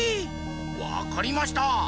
わかりました！